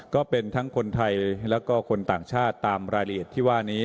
ก็เป็นทั้งคนไทยแล้วก็คนต่างชาติตามรายละเอียดที่ว่านี้